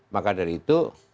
maka dari itu